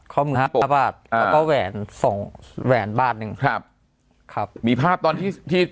ข้อมือหักห้าบาทแล้วก็แหวนสองแหวนบาทหนึ่งครับครับมีภาพตอนที่ที่